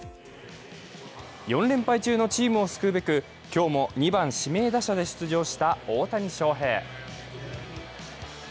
４連敗中のチームを救うべく今日も２番・指名打者で出場した大谷翔平。